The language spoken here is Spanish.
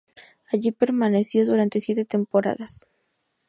Allí permaneció durante siete temporadas.